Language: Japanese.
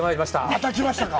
また来ましたか！